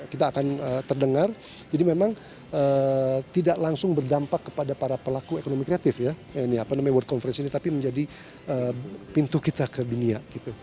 kita akan terdengar jadi memang tidak langsung berdampak kepada para pelaku ekonomi kreatif ya ini apa namanya world conference ini tapi menjadi pintu kita ke dunia